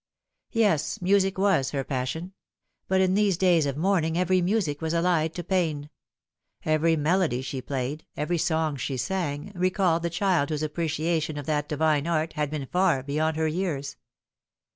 Yes, music was her passion ; but in these days of mourning even music was allied to pain. Every melody she played, every song she sang, recalled the child whose appreciation of that divine art had been far beyond her years.